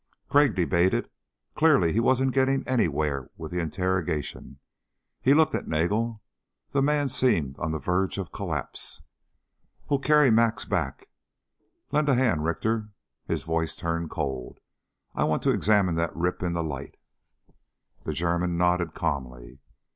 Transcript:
Crag debated. Clearly he wasn't getting anywhere with the interrogation. He looked at Nagel. The man seemed on the verge of collapse. "We'll carry Max back. Lend a hand, Richter." His voice turned cold. "I want to examine that rip in the light." The German nodded calmly.